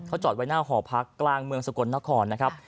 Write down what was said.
เขาจอดไว้หน้าหอพักกลางเมืองสกลนครนะครับ